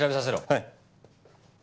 はい。